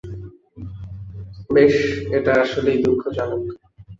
বেশ, এটা আসলেই দুঃখজনক।